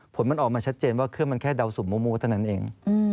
ผลมันออกมาชัดเจนว่าเครื่องมันแค่เดาสุ่มมั่วเท่านั้นเอง